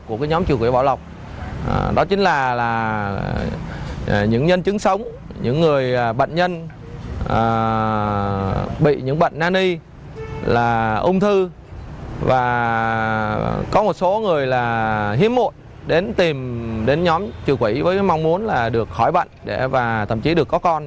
có một số người hiếm muộn tìm nhóm trừ quỹ với mong muốn được khỏi bệnh và thậm chí được có con